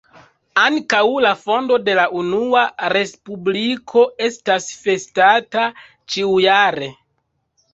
Ankaŭ la fondo de la Unua Respubliko estas festata ĉiujare.